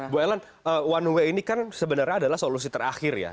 bu ellen one way ini kan sebenarnya adalah solusi terakhir ya